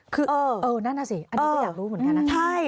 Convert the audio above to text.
คือเออนั่นน่ะสิอันนี้ก็อยากรู้เหมือนกันนะ